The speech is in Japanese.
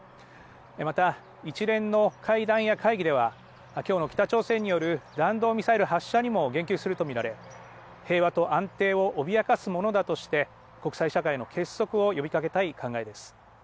また一連の会談や会議ではきょうの北朝鮮による弾道ミサイル発射にも言及すると見られ平和と安定を脅かすものだとして国際社会の結束を呼びかけたい考えです。